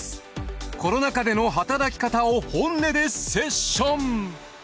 コロナ禍でのはたらき方を本音でセッション。